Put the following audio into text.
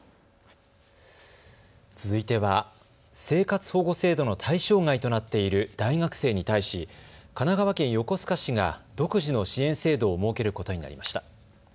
続いては、生活保護制度の対象外となっている大学生に対し神奈川県横須賀市が独自の支援制度を設けることになりました。